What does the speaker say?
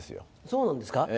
そうなんですか？